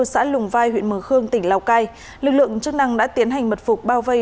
xã lùng vai huyện mường khương tỉnh lào cai lực lượng chức năng đã tiến hành mật phục bao vây